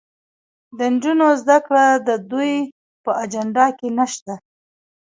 د نجونو زدهکړه د دوی په اجنډا کې نشته.